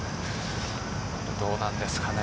どうなんですかね。